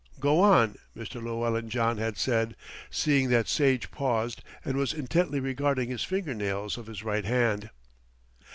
"Go on," Mr. Llewellyn John had said, seeing that Sage paused and was intently regarding his finger nails of his right hand.